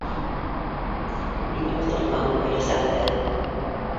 — Мин ултыртманым өләсәңде!